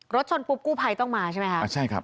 รถชนปุ๊บกู้ภัยต้องมาใช่ไหมคะอ่าใช่ครับ